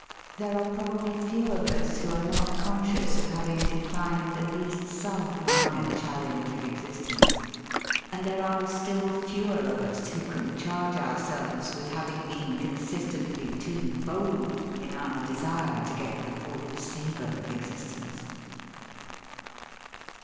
There are probably few of us who are not conscious of having declined at least some minor challenge of existence. And . there are still fewer of us who can charge our selves with having been consistently too bold in our desire to get the full savour of existence.